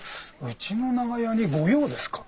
うちの長屋に御用ですか？